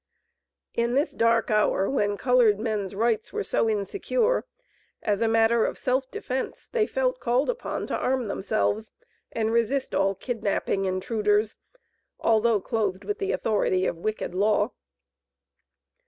In this dark hour, when colored men's rights were so insecure, as a matter of self defence, they felt called upon to arm themselves and resist all kidnapping intruders, although clothed with the authority of wicked law.